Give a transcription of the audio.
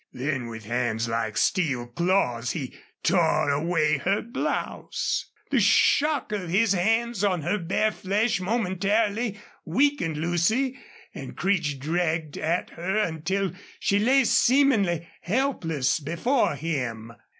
Then with hands like steel claws he tore away her blouse. The shock of his hands on her bare flesh momentarily weakened Lucy, and Creech dragged at her until she lay seemingly helpless before him.